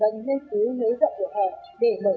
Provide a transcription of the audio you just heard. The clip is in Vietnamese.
bấm lây cứu nới rộng đường hè để mở rộng nâng lạc đường